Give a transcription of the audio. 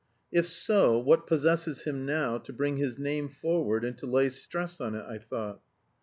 "If so, what possesses him now to bring his name forward and to lay stress on it?" I thought.